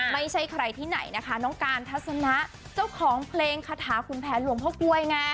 ไม่ใช่ใครที่ไหนนะคะน้องการทัศนะเจ้าของเพลงคาถาขุนแผนหลวงพ่อกล้วยไง